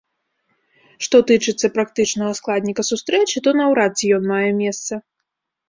Што тычыцца практычнага складніка сустрэчы, то наўрад ці ён мае месца.